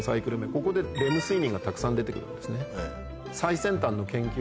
ここでレム睡眠がたくさん出て来るんですね。